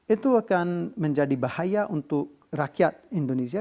itu akan menjadi bahaya untuk rakyat indonesia